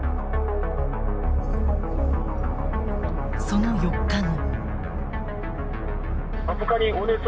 その４日後。